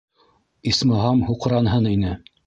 Исмаһам, һуҡранһын ине.